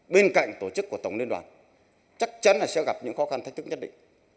bên cạnh tổ chức của tổng liên đoàn chắc chắn là sẽ gặp những khó khăn thách thức nhất định